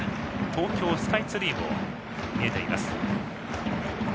東京スカイツリーも見えています。